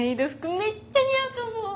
めっちゃ似合うと思う！